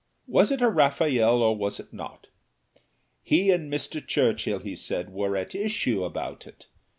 Was it a Raffaelle, or was it not? He and Mr. Churchill, he said, were at issue about it.